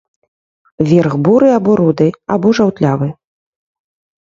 Верх буры або руды, або жаўтлявы.